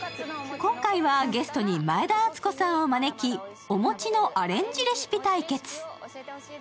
今回はゲストに前田敦子さんを招きおもちのアレンジレシピ対決。